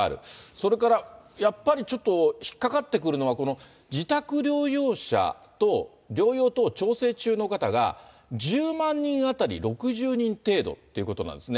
それからやっぱりちょっと引っ掛かってくるのはこの自宅療養者と、療養等調整中の方が１０万人当たり６０人程度ってことなんですね。